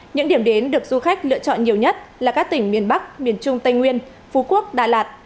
những điểm đến được du khách lựa chọn nhiều nhất là các tỉnh miền bắc miền trung tây nguyên phú quốc đà lạt